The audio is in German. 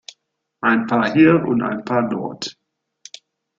Ein paar hier und ein paar dort.